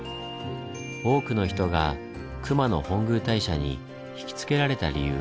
多くの人が熊野本宮大社に引き付けられた理由